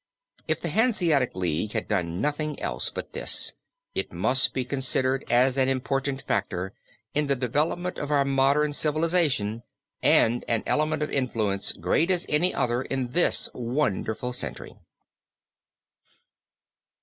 If the Hanseatic League had done nothing else but this, it must be considered as an important factor in the development of our modern civilization and an element of influence great as any other in this wonderful century.